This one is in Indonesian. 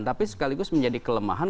tapi sekaligus menjadi kelemahan